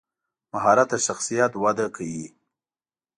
مهارت د شخصیت وده کوي.